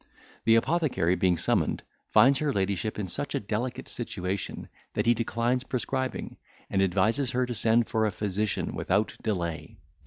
The apothecary being summoned, finds her ladyship in such a delicate situation, that he declines prescribing, and advises her to send for a physician without delay.